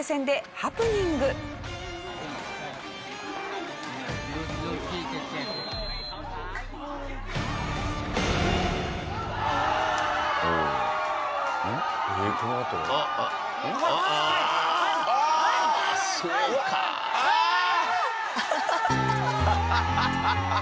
ハハハハ！